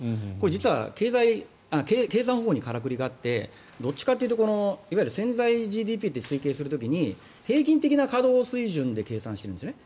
実は、計算方法にからくりがあってどっちかというと潜在ＧＤＰを推計する時に平均的な稼働水準で計算しているんですね。